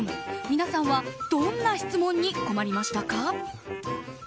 皆さんはどんな質問に困りましたか？